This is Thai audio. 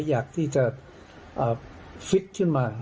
อยากที่จะฟิตขึ้นมา